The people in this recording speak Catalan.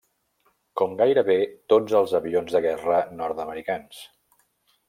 Com gairebé tots els avions de guerra nord-americans.